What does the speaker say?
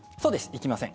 行きません。